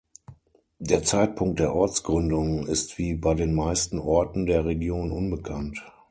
Der Zeitpunkt der Ortsgründung ist wie bei den meisten Orten der Region unbekannt.